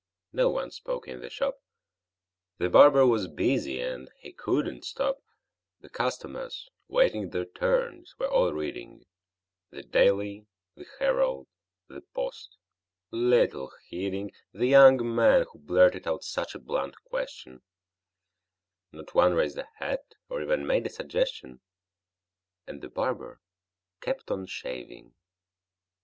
No one spoke in the shop: The barber was busy, and he couldn't stop; The customers, waiting their turns, were all reading The "Daily," the "Herald," the "Post," little heeding The young man who blurted out such a blunt question; Not one raised a head, or even made a suggestion; And the barber kept on shaving.